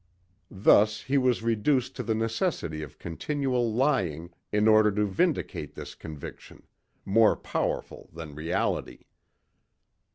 Thus he was reduced to the necessity of continual lying in order to vindicate this conviction, more powerful than reality.